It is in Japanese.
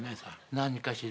何かしら？